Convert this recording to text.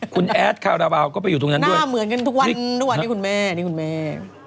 คุณแอดคาราบาลก็ไปอยู่ตรงนั้นด้วยหน้าเหมือนกันทุกวันนี่คุณแม่